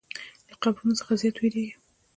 له قبرونو څخه زیات ویریږي.